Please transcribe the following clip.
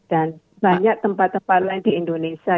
dan banyak tempat tempat lain di indonesia